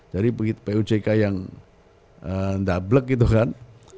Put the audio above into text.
jadi pujk yang dablek gitu kan